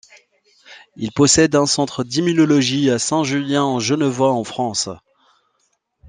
Il possède un centre d'immunologie à Saint-Julien-en-Genevois en France.